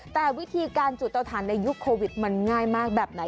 แต่วิธีการจุดเตาถ่านในยุคโควิดมันง่ายมากแบบไหน